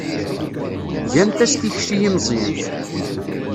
Gant-as tikci i Meẓyan.